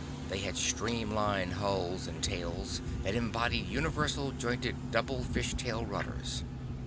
They had streamline hulls and tails that embodied universal jointed double fish tail rudders.